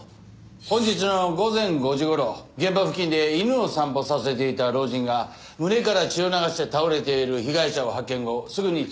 本日の午前５時頃現場付近で犬を散歩させていた老人が胸から血を流して倒れている被害者を発見後すぐに通報。